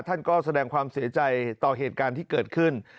ท่านก็แสดงความเสียใจต่อเหตุการณ์ที่เกิดขึ้น